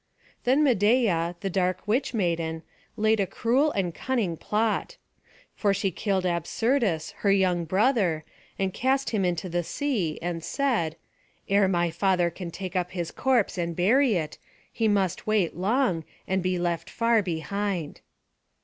Then Medeia, the dark witch maiden, laid a cruel and a cunning plot; for she killed Absyrtus her young brother, and cast him into the sea, and said: "Ere my father can take up his corpse and bury it, he must wait long, and be left far behind."